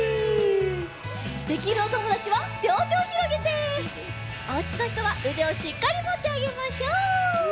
できるおともだちはりょうてをひろげておうちのひとはうでをしっかりもってあげましょう。